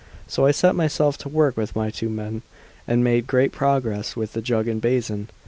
So I set myself to work with my two men, and made great progress with the jug and basin.